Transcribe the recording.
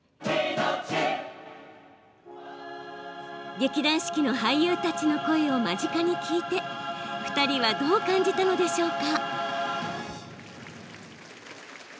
劇団四季の俳優たちの声を間近に聞いて２人はどう感じたのでしょうか。